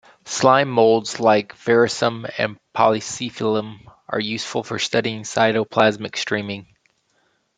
Slime molds like "Physarum polycephalum" are useful for studying cytoplasmic streaming.